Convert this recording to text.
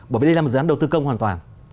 bởi vì đây là một dự án đầu tư công hoàn toàn